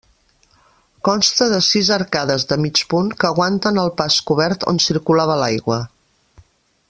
Consta de sis arcades de mig punt que aguanten el pas cobert on circulava l'aigua.